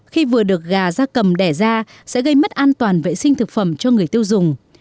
khi vừa được gà da cầm đẻ ra sẽ gây mất an toàn vệ sinh thực phẩm cho người tiêu dùng